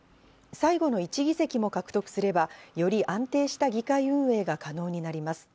最後の１議席も獲得すれば、より安定した議会運営が可能になります。